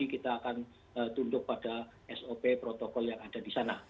untuk yang akan ditunduk pada sop protokol yang ada di sana